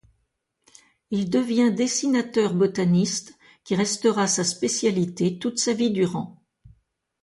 Il devient dessinateur-botaniste qui restera sa spécialité toute sa vie durant.